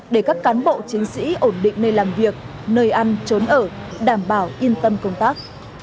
để các cán bộ chiến sĩ ổn định nơi làm việc nơi ăn trốn ở đảm bảo yên tâm công tác